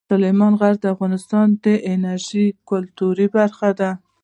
سلیمان غر د افغانستان د انرژۍ سکتور برخه ده.